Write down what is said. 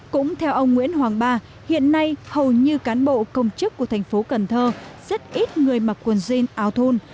cũng theo ông nguyễn hoàng ba hiện nay hầu như cán bộ công chức của thành phố cần thơ rất ít người mặc quần jean áo thun